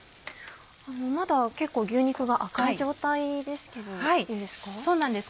まだ結構牛肉が赤い状態ですけどいいんですか？